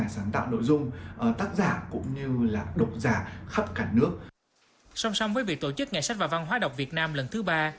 sông sông với việc tổ chức ngành sách và văn hóa đọc việt nam lần thứ ba